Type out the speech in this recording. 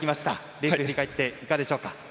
レース振り返っていかがでしょうか？